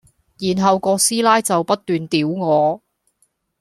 然後個師奶就不斷屌我